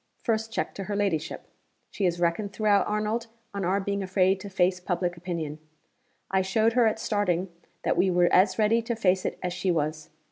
First check to her ladyship! She has reckoned throughout, Arnold, on our being afraid to face public opinion. I showed her at starting that we were as ready to face it as she was.